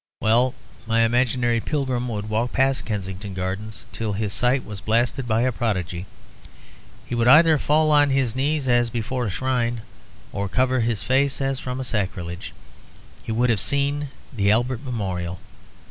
Well, my imaginary pilgrim would walk past Kensington Gardens till his sight was blasted by a prodigy. He would either fall on his knees as before a shrine, or cover his face as from a sacrilege. He would have seen the Albert Memorial.